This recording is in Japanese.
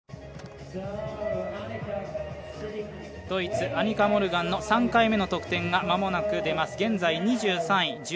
ドイツ、アニカ・モルガンの３回目の得点が間もなく出ます、現在２３位。